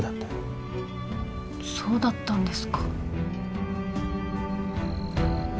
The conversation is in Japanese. そうだったんですか。